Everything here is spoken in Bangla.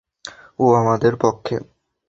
ও আমাদের পক্ষে।